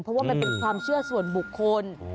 เพราะว่ามันเป็นความเชื่อส่วนบุคคล